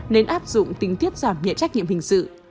nên áp dụng tính tiết giảm nhẹ trách nhiệm hình sự